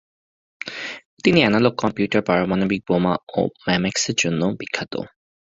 তিনি analog computer, পারমাণবিক বোমা ও মেমেক্স-এর জন্য বিখ্যাত।